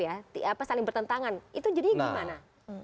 apa saling bertentangan itu jadinya gimana